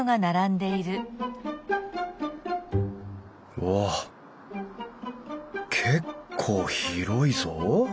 うわ結構広いぞ。